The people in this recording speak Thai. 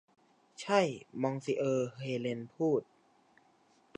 ใช่ มองซิเออร์ เฮเลนพูด